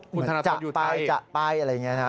คุณธนทรอยู่ไทย